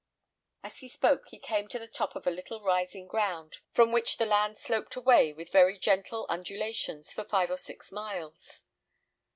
As he spoke, they came to the top of a little rising ground, from which the land sloped away with very gentle undulations for five or six miles.